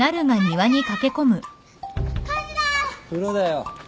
風呂だよ。